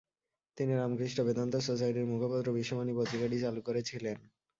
তিনি রামকৃষ্ণ বেদান্ত সোসাইটির মুখপত্র বিশ্ববাণী পত্রিকাটি চালু করেছিলেন।